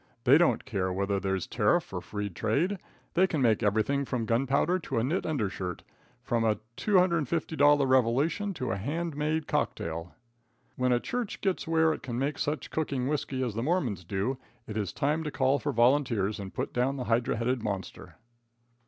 They don't care whether there's tariff or free trade. They can make everything from gunpowder to a knit undershirt, from a $250 revelation to a hand made cocktail. When a church gets where it can make such cooking whisky as the Mormons do, it is time to call for volunteers and put down the hydra headed monster."